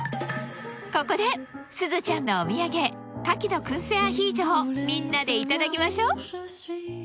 ここですずちゃんのお土産カキの燻製アヒージョをみんなでいただきましょ！